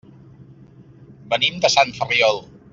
Venim de Sant Ferriol.